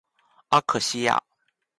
阿克西亚。